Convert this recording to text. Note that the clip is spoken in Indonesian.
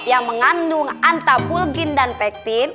yang mengandung antapulgin dan pektin